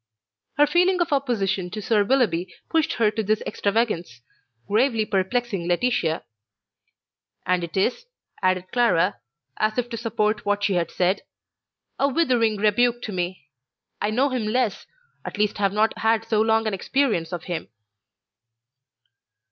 Her feeling of opposition to Sir Willoughby pushed her to this extravagance, gravely perplexing Laetitia. "And it is," added Clara, as if to support what she had said, "a withering rebuke to me; I know him less, at least have not had so long an experience of him."